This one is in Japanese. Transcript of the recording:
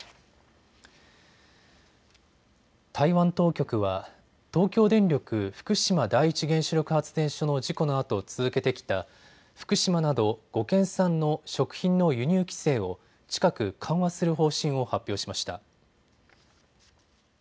台湾当局は東京電力福島第一原子力発電所の事故のあと続けてきた福島など５県産の食品の輸入規制を近く緩和する方針を発表しました。